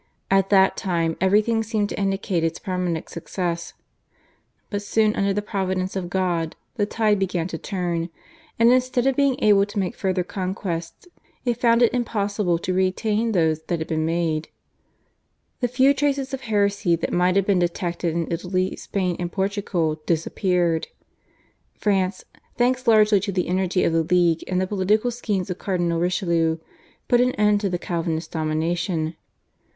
At that time everything seemed to indicate its permanent success, but soon under the Providence of God the tide began to turn, and instead of being able to make further conquests it found it impossible to retain those that had been made. The few traces of heresy that might have been detected in Italy, Spain, and Portugal disappeared. France, thanks largely to the energy of the League and the political schemes of Cardinal Richelieu, put an end to the Calvinist domination.